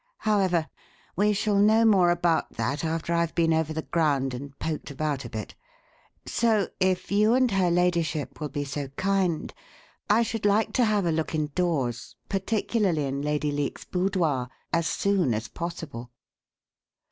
However, we shall know more about that after I've been over the ground and poked about a bit. So, if you and her ladyship will be so kind, I should like to have a look indoors, particularly in Lady Leake's boudoir, as soon as possible."